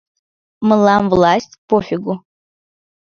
— Мылам власть — по фигу!